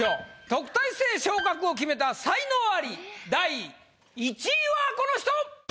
特待生昇格を決めた才能アリ第１位はこの人！